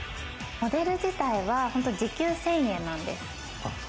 モデル時代は本当時給１０００円なんです。